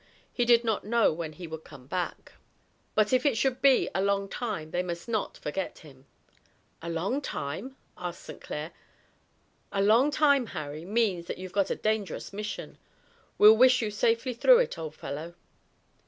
He did not know when he would come back, but if it should be a long time they must not forget him. "A long time?" said St. Clair. "A long time, Harry, means that you've got a dangerous mission. We'll wish you safely through it, old fellow."